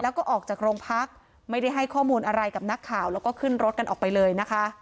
แล้วก็ออกจากโรงพักไม่ได้ให้ข้อมูลอะไรกับนักข่าวแล้วก็ขึ้นรถกันออกไปเลยนะคะ